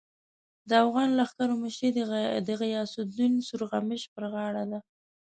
د اوغان لښکرو مشري د غیاث الدین سورغمش پر غاړه ده.